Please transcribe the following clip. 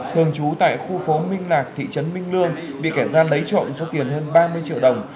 thường trú tại khu phố minh lạc thị trấn minh lương bị kẻ gian lấy trộm số tiền hơn ba mươi triệu đồng